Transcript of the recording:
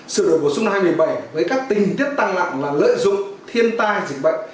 sự đổi bổ sung là hai mươi bảy với các tình tiết tăng lặng là lợi dụng thiên tai dịch bệnh